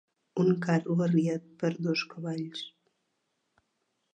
Un carro arriat per dos cavalls.